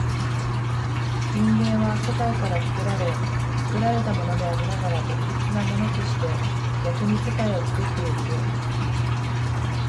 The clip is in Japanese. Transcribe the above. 人間は世界から作られ、作られたものでありながら独立なものとして、逆に世界を作ってゆく。